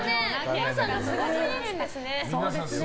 皆さんがすごすぎるんですね。